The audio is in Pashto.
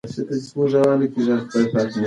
ایا هغه به وتوانیږي چې د خپل کور کرایه په وخت ورکړي؟